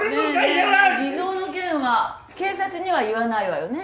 え偽造の件は警察には言わないわよね？